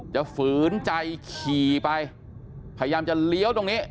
ฝืนใจขี่ไปพยายามจะเลี้ยวตรงนี้